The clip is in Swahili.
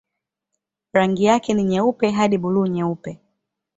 Rangi yake ni nyeupe hadi buluu-nyeupe.